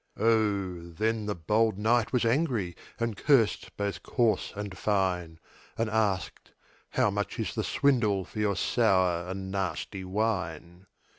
Oh, then the bold knight was angry, And cursed both coarse and fine; And asked, "How much is the swindle For your sour and nasty wine?"